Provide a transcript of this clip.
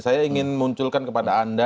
saya ingin munculkan kepada anda